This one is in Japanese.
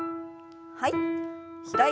はい。